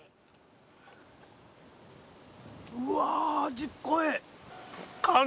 うわ。